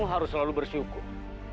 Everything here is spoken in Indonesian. kamu harus selalu bersyukur